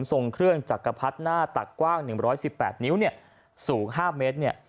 ทรงเคลื่อนจักรพรรดิหน้าตักกว้างหนึ่งร้อยสิบแปดนิ้วเนี่ยสูงห้าเมตรเนี่ย